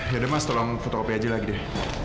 yaudah mas tolong fotokopi aja lagi deh